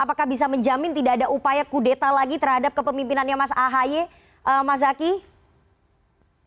apakah bisa menjamin tidak ada upaya kudeta lagi terhadap kepemimpinannya mas ahy mas zaky